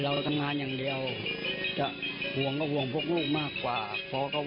เราก็ได้จะไปหลอกลูกว่า